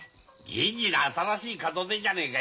銀次の新しい門出じゃねえか。